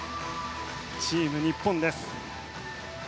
チーム日本です。